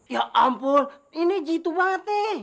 ya ampun ini jitu banget nek